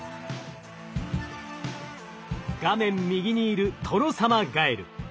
画面右にいるトノサマガエル。